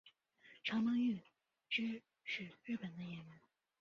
长门裕之是日本的演员。